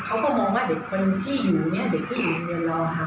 เค้าก็มองว่าเด็กคนที่อยู่นี่เด็กที่อยู่ในเมืองเรา